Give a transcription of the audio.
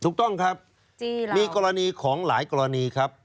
ถูกต้องครับมีกรณีของหลายกรณีครับ